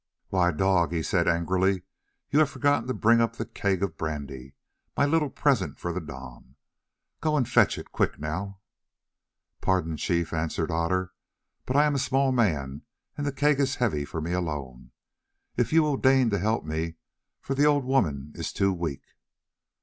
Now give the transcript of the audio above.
"Why, Dog," he said angrily, "you have forgotten to bring up the keg of brandy, my little present for the Dom. Go and fetch it. Quick, now." "Pardon, Chief," answered Otter, "but I am a small man and the keg is heavy for me alone—if you will deign to help me, for the old woman is too weak."